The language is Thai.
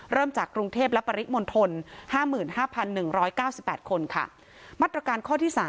เริ่มจากกรุงเทพฯและปริมณฑล๕๕๑๙๘คน